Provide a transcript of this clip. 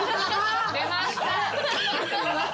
出ました！